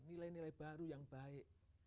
nilai nilai baru yang baik